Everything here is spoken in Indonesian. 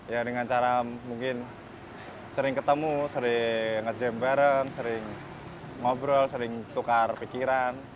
ya dengan cara mungkin sering ketemu sering ngejemberan sering ngobrol sering tukar pikiran